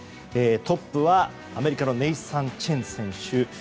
トップはアメリカのネイサン・チェン選手。